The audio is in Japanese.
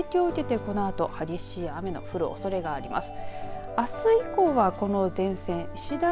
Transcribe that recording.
この影響を受けてこのあと激しい雨の降るおそれがあります。